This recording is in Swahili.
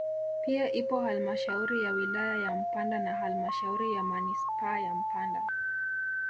Pia ipo halmashauri ya wilaya ya Mpanda na halmashauri ya manispaa ya Mpanda